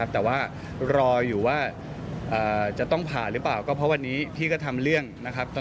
แต่ว่ารออยู่ว่าจะต้องผ่าหรือเปล่าก็เพราะวันนี้พี่ก็ทำเรื่องนะครับ